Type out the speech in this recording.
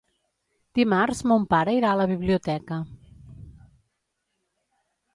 Dimarts mon pare irà a la biblioteca.